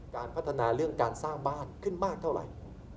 การพัฒนาเรื่องการสร้างบ้านขึ้นมากเท่าไหร่